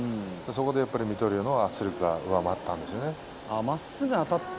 そこで水戸龍の圧力が上回ったんですね。